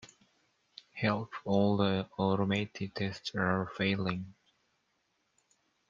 Help! All the automated tests are failing!